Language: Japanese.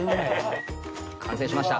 完成しました。